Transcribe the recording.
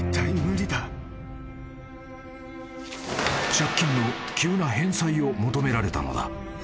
［借金の急な返済を求められたのだ］